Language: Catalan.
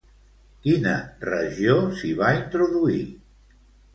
Quina regió s'hi va introduir?